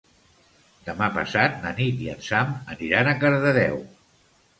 Demà passat na Nit i en Sam aniran a Cardedeu.